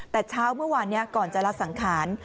แต่เช้าเมื่อวานนี้ก่อนจะละสังขาร